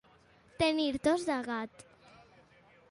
Tenir tos de gat.